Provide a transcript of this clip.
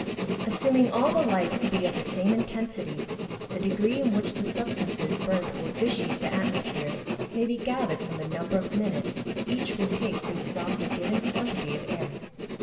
_ Assuming all the lights to be of the same intensity, the degree in which the substances burnt would vitiate the atmosphere may be gathered from the number of minutes each would take to exhaust a given quantity of air.